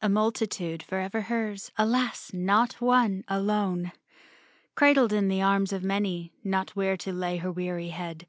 A multitude forever hers, Alas — not one — alone! Cradled in the arms of many, Not where to lay her weary head.